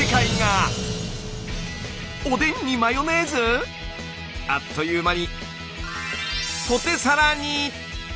おでんにマヨネーズ⁉あっという間にポテサラに！